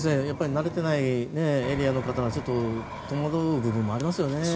慣れていないエリアの方は戸惑う部分もありますよね。